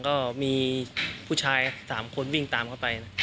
ก็มีผู้ชาย๓คนวิ่งตามเข้าไป